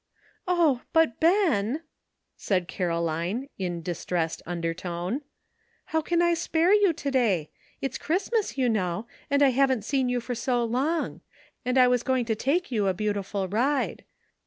"Oh! but, Ben," said Caroline, in distressed undertone, "how can I spare you to day? It's Christmas, you know, and I haven't seen you for so long; and T was going to take you a beautiful ride."